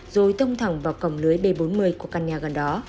rồi tông thẳng vào cổng lưới b bốn mươi của căn nhà gần đó